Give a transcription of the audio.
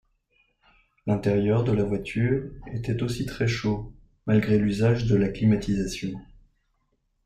L'intérieur de la voiture était aussi très chaud, malgré l'usage de la climatisation.